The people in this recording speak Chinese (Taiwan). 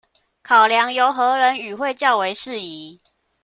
考量由何人與會較為適宜